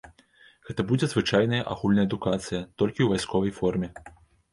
Гэта будзе звычайная агульная адукацыя, толькі ў вайсковай форме.